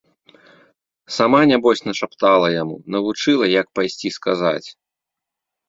Сама, нябось, нашаптала яму, навучыла, як пайсці сказаць.